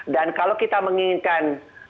dan kalau kita menginginkan